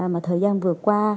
mà thời gian vừa qua